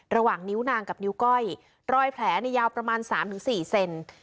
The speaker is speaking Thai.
ระหว่างนิ้วนางกับนิ้วก้อยรอยแผลยาวประมาณ๓๔เซน